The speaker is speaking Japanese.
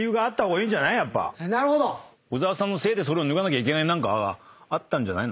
小澤さんのせいでそれを脱がなきゃいけない何かがあったんじゃない？